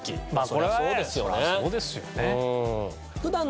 そりゃそうですよね。